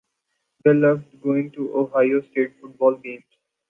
They loved going to Ohio State football games.